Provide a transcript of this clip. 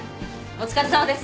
お疲れさまです。